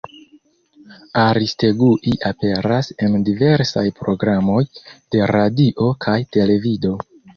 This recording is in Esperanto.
Aristegui aperas en diversaj programoj de radio kaj televido.